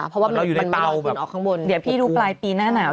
เพราะมันอยู่ในเตาแบบเดี๋ยวพี่ดูปลายปีหน้าหนาว